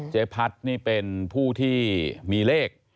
เจ๊พัดนี่เป็นผู้ที่มีเลข